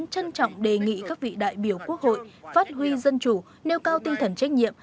trần thanh mẫn trân trọng đề nghị các vị đại biểu quốc hội phát huy dân chủ nêu cao tinh thần trách nhiệm